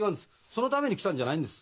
そのために来たんじゃないんです。